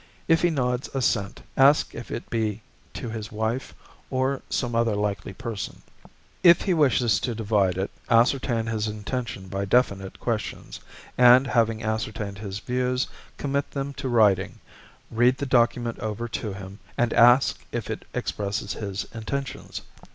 If he nods assent, ask if it be to his wife or some other likely person. If he wishes to divide it, ascertain his intention by definite questions, and, having ascertained his views, commit them to writing, read the document over to him, and ask if it expresses his intentions.